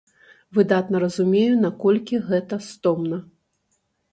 Выдатна разумею, наколькі гэта стомна.